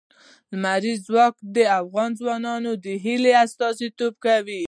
لمریز ځواک د افغان ځوانانو د هیلو استازیتوب کوي.